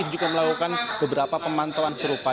juga melakukan beberapa pemantauan serupa